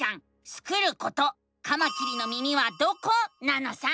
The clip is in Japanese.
スクること「カマキリの耳はどこ？」なのさ！